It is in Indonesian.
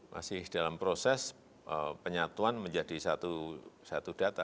masih dalam proses penyatuan menjadi satu data